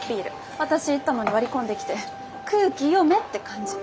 私行ったのに割り込んできて空気読めって感じ。